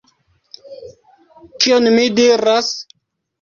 Kion mi diras?